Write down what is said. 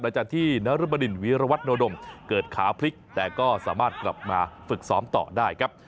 หลังจากที่นรบดินวีรวัตโนดมเกิดขาพลิกแต่ก็สามารถกลับมาฝึกซ้อมต่อได้ครับ